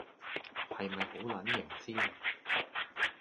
係咪好撚型先